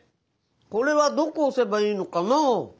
これはどこ押せばいいのかな？